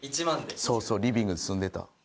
そうそうリビング住んでた。